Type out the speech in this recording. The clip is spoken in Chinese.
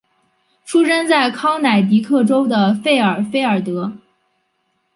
出生在康乃狄克州的费尔菲尔德。